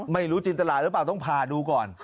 ไม่รู้จินตราหรือเปล่าต้องผ่าดูก่อน